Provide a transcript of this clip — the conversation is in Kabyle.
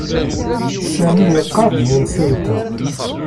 Sami iqarr-d i yimsulta.